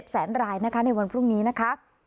๗แสนรายในวันพรุ่งนี้นะคะ